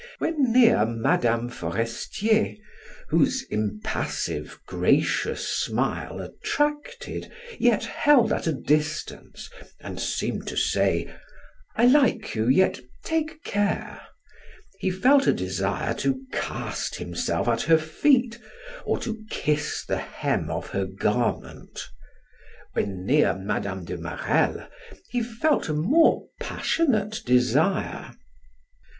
When near Mme. Forestier, whose impassive, gracious smile attracted yet held at a distance, and seemed to say: "I like you, yet take care," he felt a desire to cast himself at her feet, or to kiss the hem of her garment. When near Mme. de Marelle, he felt a more passionate desire.